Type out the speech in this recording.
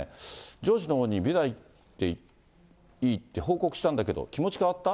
上司のほうに微罪でいいって報告したんだけど、気持ち変わった？